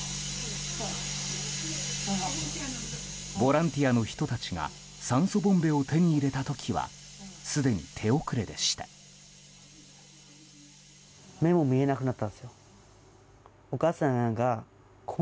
ボランティアの人たちが酸素ボンベを手に入れた時はすでに手遅れでした。